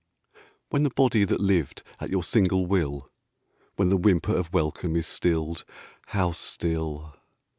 When the body that lived at your single will When the whimper of welcome is stilled (how still!)